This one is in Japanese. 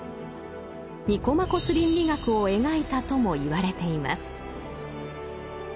「ニコマコス倫理学」を描いたともいわれています。